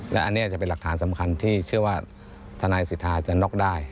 และอันนี้จะเป็นหลักฐานสำคัญที่เชื่อว่าทนายสิทธาจะน็อกได้